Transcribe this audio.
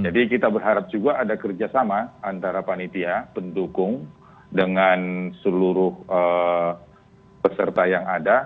jadi kita berharap juga ada kerjasama antara panitia pendukung dengan seluruh peserta yang ada